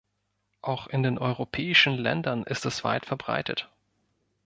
Auch in den europäischen Ländern ist es weit verbreitet.